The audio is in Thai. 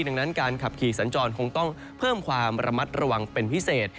ดังนั้นการขับขี่สัญจรคงต้องเพิ่มความระมัดระวังเป็นพิเศษ